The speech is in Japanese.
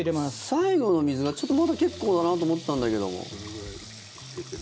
最後の水がちょっとまだ結構だなと思ったんだけど。